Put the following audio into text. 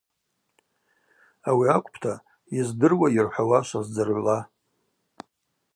Ауи акӏвпӏта йыздыруа йырхӏвауа шваздзыргӏвла.